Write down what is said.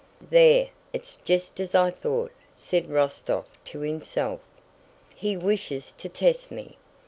"There, it's just as I thought," said Rostóv to himself. "He wishes to test me!"